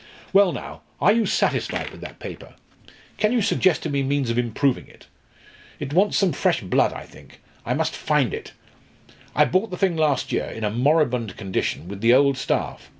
Well, now, are you satisfied with that paper? Can you suggest to me means of improving it? It wants some fresh blood, I think I must find it? I bought the thing last year, in a moribund condition, with the old staff.